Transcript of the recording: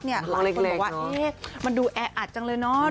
หลายคนบอกว่ามันดูแออัดจังเลยเนอะ